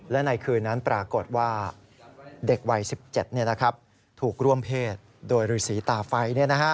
และในคืนนั้นปรากฏว่าเด็กวัย๑๗ถูกร่วมเพศโดยฤษีตาไฟ